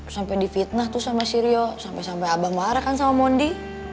sampai di fitnah tuh sama sirio sampai sampai abah marah kan sama mondi